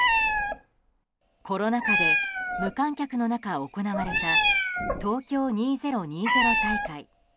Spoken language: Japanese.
コロナ禍で無観客の中行われた東京２０２０大会。